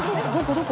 どこ？